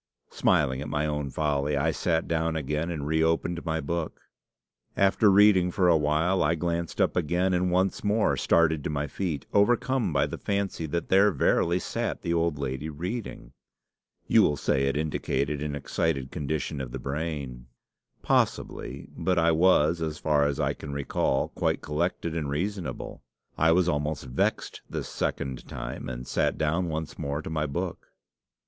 Smiling at my own folly, I sat down again, and reopened my book. After reading for a while, I glanced up again, and once more started to my feet, overcome by the fancy that there verily sat the old lady reading. You will say it indicated an excited condition of the brain. Possibly; but I was, as far as I can recall, quite collected and reasonable. I was almost vexed this second time, and sat down once more to my book.